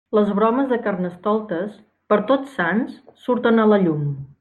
Les bromes de Carnestoltes, per Tots Sants surten a la llum.